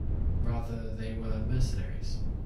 Rather they were mercenaries.